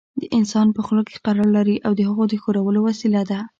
د انسان په خوله کې قرار لري او د هغه د ښورولو وسیله ده.